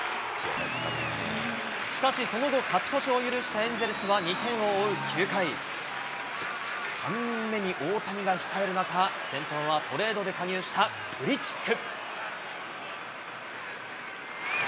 しかしその後、勝ち越しを許したエンゼルスは２点を追う９回、３人目に大谷が控える中、先頭はトレードで加入したグリチック。